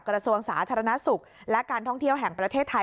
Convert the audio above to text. กระทรวงสาธารณสุขและการท่องเที่ยวแห่งประเทศไทย